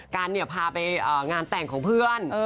กันพาไปงานแต่งของเพื่อน